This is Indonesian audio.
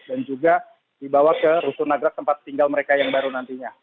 dan juga dibawa ke rusunagrak tempat tinggal mereka yang baru nantinya